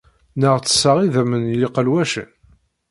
Neɣ ttesseɣ idammen n yiqelwacen?